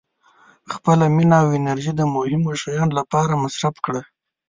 • خپله مینه او انرژي د مهمو شیانو لپاره مصرف کړه.